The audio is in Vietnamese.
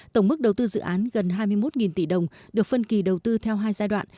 tổng mức đầu tư dự án gần hai mươi một tỷ đồng được phân kỳ đầu tư theo hai giai đoạn